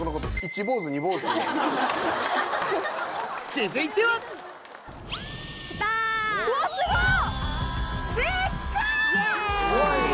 続いてはうわっすごっ！